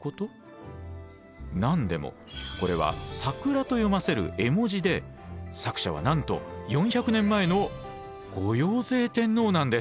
何でもこれは「桜」と読ませる絵文字で作者はなんと４００年前の後陽成天皇なんです。